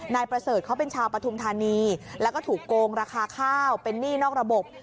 นายประเสริฐเขาเป็นชาวปฐุมธานีแล้วก็ถูกโกงราคาข้าวเป็นหนี้นอกระบบ